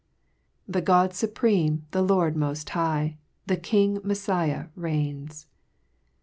The God fuprcme, the Lord moil high, The King Messiah reigns